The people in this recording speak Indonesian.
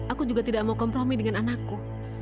aku juga tidak mau kompromi dengan anakku